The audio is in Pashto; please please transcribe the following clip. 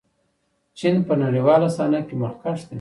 چین په نړیواله صحنه کې مخکښ دی.